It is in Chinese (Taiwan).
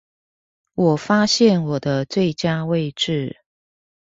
我發現我的最佳位置